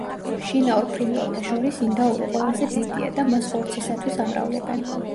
შინაურ ფრინველთა შორის ინდაური ყველაზე დიდია და მას ხორცისათვის ამრავლებენ.